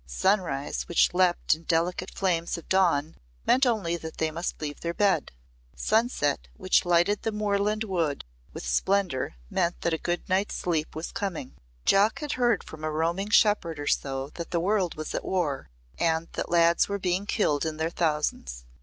Sunrise which leaped in delicate flames of dawn meant only that they must leave their bed; sunset which lighted the moorland world with splendour meant that a good night's sleep was coming. Jock had heard from a roaming shepherd or so that the world was at war and that lads were being killed in their thousands.